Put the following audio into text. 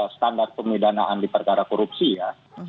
standar pemidanaan di perkara korupsi ya